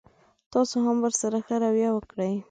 تاسو هم ورسره ښه رويه وکړئ.